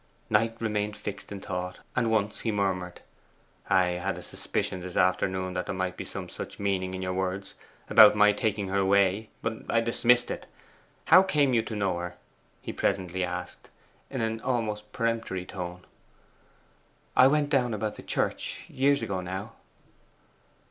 Knight remained fixed in thought, and once he murmured 'I had a suspicion this afternoon that there might be some such meaning in your words about my taking her away. But I dismissed it. How came you to know her?' he presently asked, in almost a peremptory tone. 'I went down about the church; years ago now.